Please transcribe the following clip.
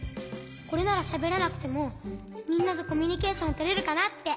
これならしゃべらなくてもみんなとコミュニケーションとれるかなって。